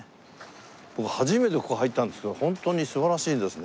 僕初めてここ入ったんですけどホントに素晴らしいですね。